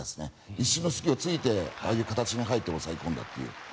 一瞬の隙を突いてああいう形に入って抑え込んでいるという。